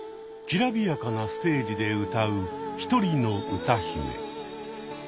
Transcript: きらびやかなステージで歌う１人の歌姫。